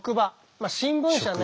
まあ新聞社ね。